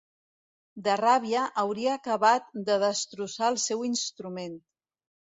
De ràbia, hauria acabat de destrossar el seu instrument.